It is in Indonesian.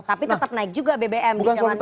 tapi tetap naik juga bbm di zamannya pak jokowi